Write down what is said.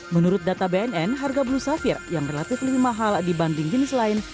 menurut data bnn harga blue safir yang relatif lebih mahal dibanding jenis lain